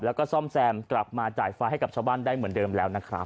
แล้วก็ซ่อมแซมกลับมาจ่ายไฟให้กับชาวบ้านได้เหมือนเดิมแล้วนะครับ